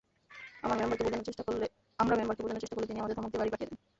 আমরা মেম্বারকে বোঝানোর চেষ্টা করলে তিনি আমাদের ধমক দিয়ে বাড়ি পাঠিয়ে দেন।